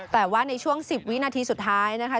แต่ว่าในช่วง๑๐วินาทีสุดท้ายนะคะ